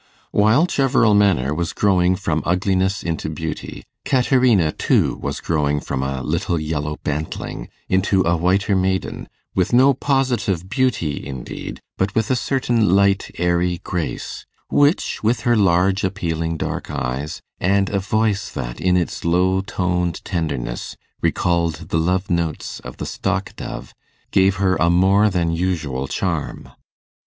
While Cheverel Manor was growing from ugliness into beauty, Caterina too was growing from a little yellow bantling into a whiter maiden, with no positive beauty indeed, but with a certain light airy grace, which, with her large appealing dark eyes, and a voice that, in its low toned tenderness, recalled the love notes of the stock dove, gave her a more than usual charm.